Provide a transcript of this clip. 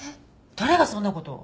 誰がそんな事を？